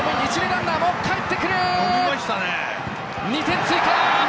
２点追加！